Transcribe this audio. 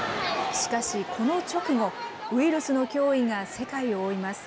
しかしこの直後、ウイルスの脅威が世界を覆います。